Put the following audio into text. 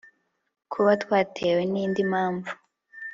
kuba kwatewe n'indi mpamvu